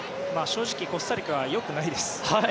正直、コスタリカはよくないです。